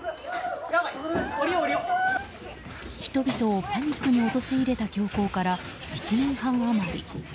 人々をパニックに陥れた凶行から１年半余り。